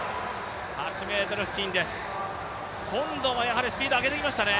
８ｍ付近です、今度はやはりスピードを上げてきましたね。